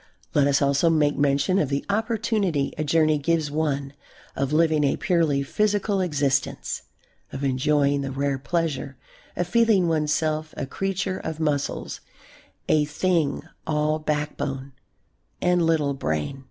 Let us also make mention of the opportunity a journey gives one of living a purely physical existence, of enjoying the rare pleasure of feeling oneself a creature of muscles, a thing all backbone and little brain.